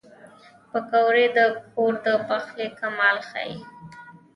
پکورې د کور د پخلي کمال ښيي